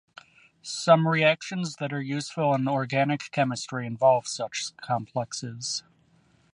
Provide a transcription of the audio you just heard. Some reactions that are useful in organic chemistry involve such complexes.